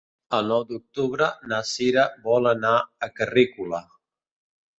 El nou d'octubre na Sira vol anar a Carrícola.